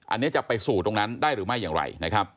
อันนี้จะไปสู่ตรงนั้นได้หรือไม่อย่างไรนะครับ